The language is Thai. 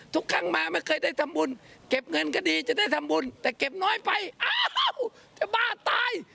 ทุกครั้งมาไม่เคยได้ทำบุญเก็บเงินก็ดีจะได้ทำบุญแต่เก็บน้อยไปอ้าวจะบ้าตาย